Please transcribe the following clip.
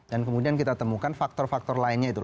dan kemudian kita temukan faktor faktor lainnya itu